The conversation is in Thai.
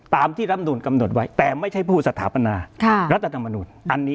ตามที่รำนูลกำหนดไว้แต่ไม่ใช่ผู้สถาปนารัฐธรรมนุน